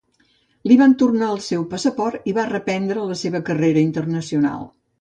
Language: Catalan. Li van tornar el seu passaport i va reprendre la seva carrera internacional.